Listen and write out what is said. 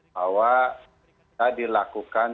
bahwa kita dilakukan